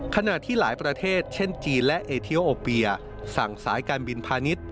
ขณะที่หลายประเทศเช่นจีนและเอเทียลโอเปียสั่งสายการบินพาณิชย์